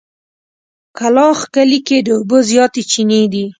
کلاخ کلي کې د اوبو زياتې چينې دي.